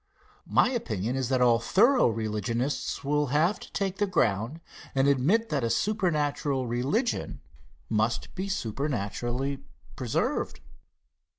My opinion is that all thorough religionists will have to take the ground and admit that a supernatural religion must be supernaturally preserved.